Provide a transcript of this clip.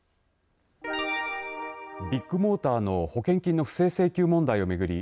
ビッグモーターの保険金の不正請求問題を巡り